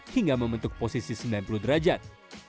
hingga membentuk posisi sembilan puluh derajat